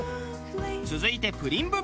続いてプリン部分。